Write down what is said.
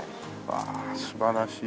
わあ素晴らしい。